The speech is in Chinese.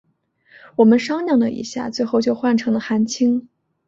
我们商量了一下最后就换成了韩青。